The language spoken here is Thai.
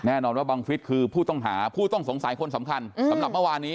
แน่นอนว่าบังฟิศคือผู้ต้องหาผู้ต้องสงสัยคนสำคัญสำหรับเมื่อวานนี้